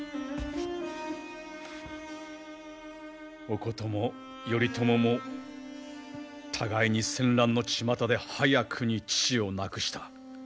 おことも頼朝も互いに戦乱のちまたで早くに父を亡くした。